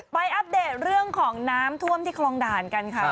อัปเดตเรื่องของน้ำท่วมที่คลองด่านกันค่ะ